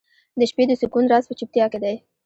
• د شپې د سکون راز په چوپتیا کې دی.